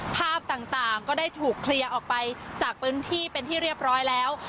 ภาพต่างก็ได้ถูกเคลียร์ออกไปจากพื้นที่เป็นที่เรียบร้อยแล้ว